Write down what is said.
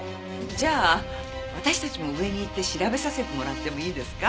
じゃあ私たちも上に行って調べさせてもらってもいいですか？